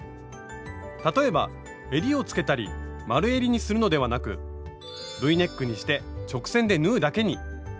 例えばえりをつけたり丸えりにするのではなく「Ｖネック」にして直線で縫うだけに。